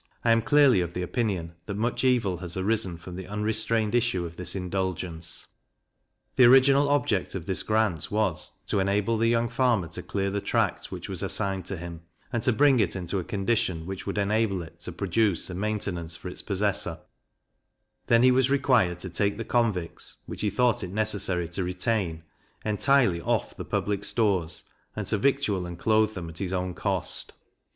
I am clearly of opinion, that much evil has arisen from the unrestrained issue of this indulgence. The original object of this grant was, to enable the young farmer to clear the tract which was assigned to him, and to bring it into a condition which would enable it to produce a maintenance for its possessor; then he was required to take the convicts which he thought it necessary to retain, entirely off the public stores, and to victual and clothe them at his own cost.